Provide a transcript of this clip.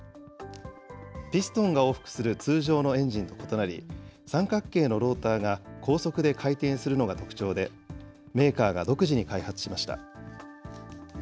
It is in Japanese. ピストンが往復する通常のエンジンと異なり、三角形のローターが高速で回転するのが特徴で、メーカーが独自に開発しました。